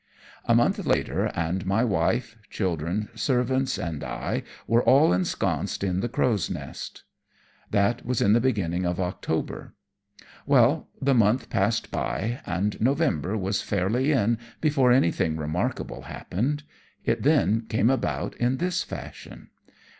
A month later and my wife, children, servants, and I were all ensconced in the Crow's Nest. That was in the beginning of October. Well, the month passed by, and November was fairly in before anything remarkable happened. It then came about in this fashion.